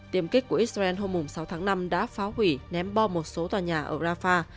tiềm kích của israel hôm sáu tháng năm đã phá hủy ném bom một số tòa nhà ở rafah